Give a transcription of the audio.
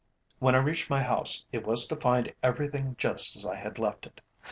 When I reached my house it was to find everything just as I had left it.